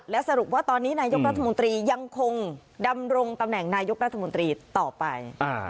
และสรุปว่าตอนนี้นายกรัฐมนตรียังคงดำรงตำแหน่งนายกรัฐมนตรีต่อไป